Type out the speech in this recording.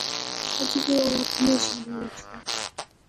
اج وی او اپنے شہرے وچ دا